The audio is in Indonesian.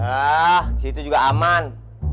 ah situ juga aman